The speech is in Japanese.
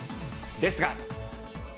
ですが。